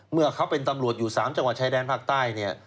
เมื่อเขาเป็นตำรวจอยู่๓จังหวัดชายแดนภาคใต้เนี่ย